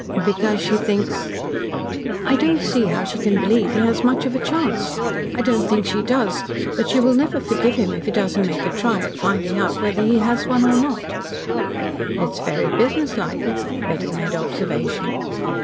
"Because she thinks ?" "I don't see how she can believe he has much of a chance. I don't think she does but she will never forgive him if he doesn't make a try at finding out whether he has one or not." "It is very businesslike," Betty made observation.